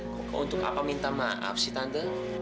kok untuk apa minta maaf si tante